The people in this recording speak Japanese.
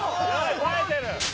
耐えてる